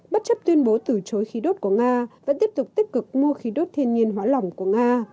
bất chấp tuyên bố từ chối khí đốt của nga vẫn tiếp tục tích cực mua khí đốt thiên nhiên hóa lỏng của nga